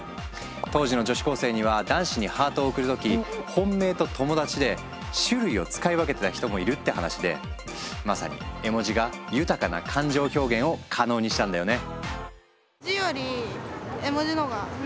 当時の女子高生には男子にハートを送る時本命と友達で種類を使い分けてた人もいるって話でまさに絵文字が豊かな感情表現を可能にしたんだよね。